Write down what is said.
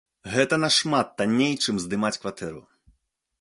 Гэта нашмат танней, чым здымаць кватэру.